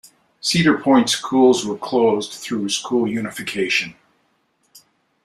Cedar Point schools were closed through school unification.